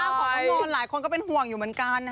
ตามเรื่องสุขภาพของมอนกหลายคนก็เป็นห่วงอยู่เหมือนกันนะฮะ